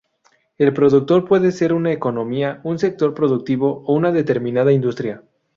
El productor puede ser una economía, un sector productivo o una determinada industria.